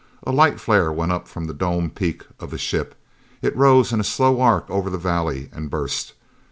A light flare went up from the dome peak of the ship. It rose in a slow arc over the valley, and burst.